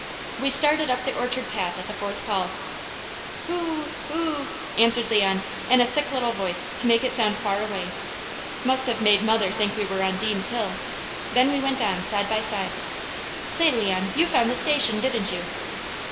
We started up the orchard path at the fourth call. "Hoo hoo!" answered Leon in a sick little voice to make it sound far away. Must have made mother think we were on Deams' hill. Then we went on side by side. "Say Leon, you found the Station, didn't you?"